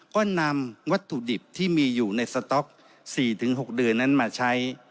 ก็นำวัตถุดิบที่มีอยู่ในสต๊อก๔๖เดือนนั้นมาใช้